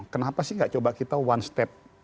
kenapa sih gak coba kita one step